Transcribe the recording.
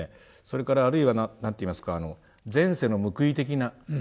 それからあるいは何ていいますか前世の報い的な。